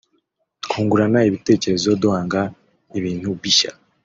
twungurana ibitekerezo duhanga ibintu bishya